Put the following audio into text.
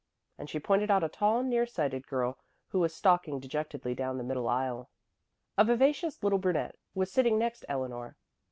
And she pointed out a tall, near sighted girl who was stalking dejectedly down the middle aisle. A vivacious little brunette was sitting next Eleanor.